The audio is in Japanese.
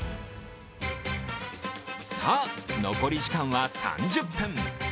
さあ、残り時間は３０分。